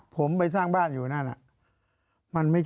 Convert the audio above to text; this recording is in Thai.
ผมไปสร้างบ้านอยู่นั่น